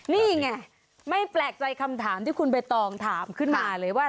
นี่ไงไม่แปลกใจคำถามที่คุณใบตองถามขึ้นมาเลยว่า